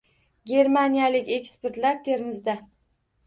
Germaniyalik ekspertlar Termizda